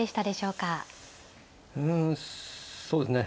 うんそうですね